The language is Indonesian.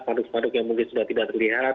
paduk paduk yang mungkin sudah tidak terlihat